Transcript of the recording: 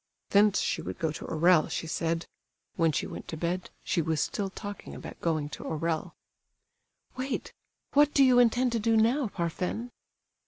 Thence she would go to Orel, she said. When she went to bed, she was still talking about going to Orel." "Wait! What do you intend to do now, Parfen?"